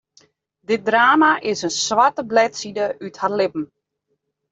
Dit drama is in swarte bledside út har libben.